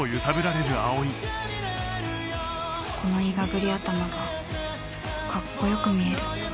このいがぐり頭がかっこよく見える